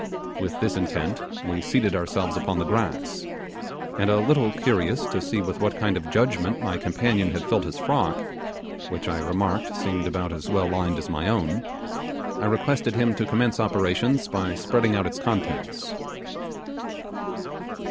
With this intent we seated ourselves upon the grass; and a little curious to see with what kind of judgement my companion had filled his frock which I remarked seemed about as well lined as my own I requested him to commence operations by spreading out its contents.